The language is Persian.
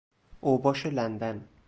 اوباش لندن